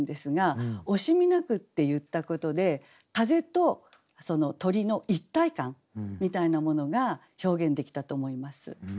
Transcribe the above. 「惜しみなく」って言ったことで風と鳥の一体感みたいなものが表現できたと思います。